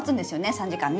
３時間ね。